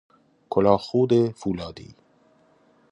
کلاه خود فولادی